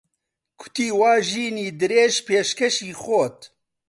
کوتی وا ژینی درێژ پێشکەشی خۆت